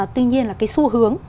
tuy nhiên là cái xu hướng